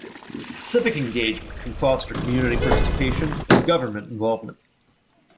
Civic engagement can foster community participation and government involvement.